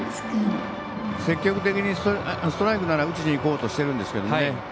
積極的にストライクなら打ちにいこうとしてるんですけど。